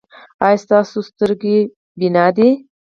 ایا ستاسو سترګې بینا دي؟